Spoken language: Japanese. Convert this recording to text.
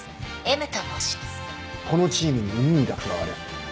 このチームに海兄が加わる。